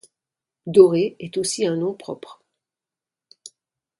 Doré est aussi un nom propre.